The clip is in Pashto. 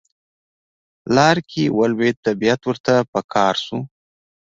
لار کې ولوید طبیعت ورته په قار شو.